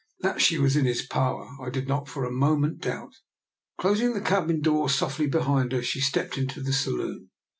That she was in his power I did not for a moment doubt. Closing the cabin door softly behind her, she stepped into the saloon.